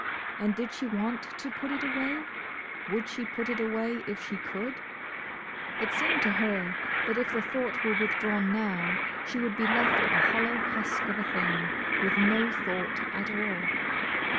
And did she want to put it away? Would she put it away if she could? It seemed to her that if the thought were withdrawn now, she would be left a hollow husk of a thing, with no thought at all.